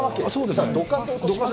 だからどかそうとします。